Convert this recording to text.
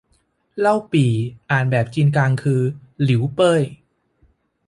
เล่าปี่ อ่านแบบจีนกลางคือ หลิวเป้ย